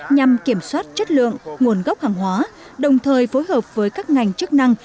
nhằm kiểm soát chất lượng nguồn gốc hàng hóa đồng thời phối hợp với các ngành chức năng